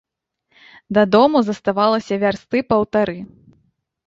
Да дому заставалася вярсты паўтары.